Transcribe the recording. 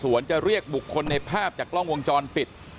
ส่วนจะเรียกบุคคลในภาพจากกล้องวงจรปิด